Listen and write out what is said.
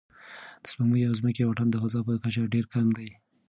د سپوږمۍ او ځمکې واټن د فضا په کچه ډېر کم دی.